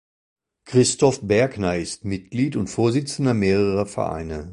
Christoph Bergner ist Mitglied und Vorsitzender mehrerer Vereine.